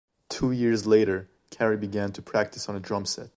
Two years later, Carey began to practice on a drum set.